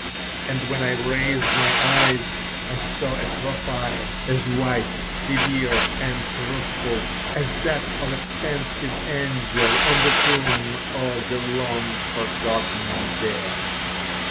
And when I raised my eyes I saw a profile as white, severe, and truthful as that of a pensive angel on the tomb of the long forgotten dead.